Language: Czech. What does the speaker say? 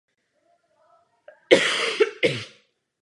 Na bázi řapíku je vyvinuta pochva.